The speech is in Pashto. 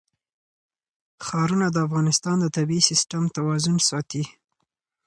ښارونه د افغانستان د طبعي سیسټم توازن ساتي.